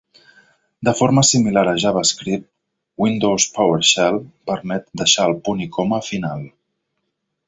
De forma similar a JavaScript, Windows PowerShell permet deixar el punt i coma final.